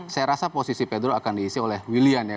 saya rasa posisi pedro akan diisi oleh willian ya